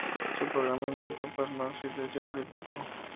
Su programa intentó plasmar su ideario político.